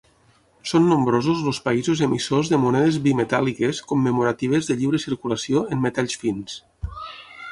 Són nombrosos els països emissors de monedes bimetàl·liques commemoratives de lliure circulació en metalls fins.